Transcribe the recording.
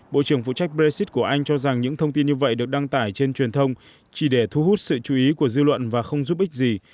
bộ trưởng phụ trách brexit của anh cho rằng những thông tin như vậy được đăng tải trên truyền thông chỉ để thu hút sự chú ý của dư luận và không giúp ích gì